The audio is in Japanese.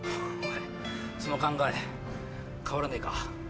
その考え変わらねえか？